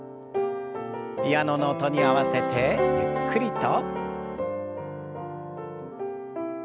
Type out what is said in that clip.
ピアノの音に合わせてゆっくりと。